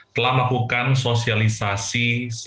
telah melakukan sosialisasi